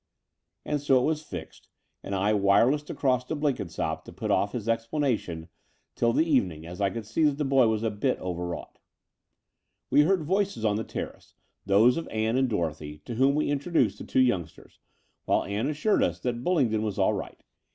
And so it was fixed: and I "wirelessed" across to Blenkinsopp to put off his explanation till the evening, as I could see that the boy was a bit over wrought. VII We heard voices on the terrace, those of Ann and Dorothy, to whom we introduced the two youngsters, while Ann assured us that Bullingdon was all right.